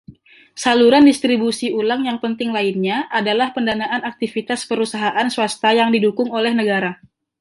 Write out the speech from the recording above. Saluran distribusi ulang yang penting lainnya adalah pendanaan aktivitas perusahaan swasta yang didukung oleh Negara.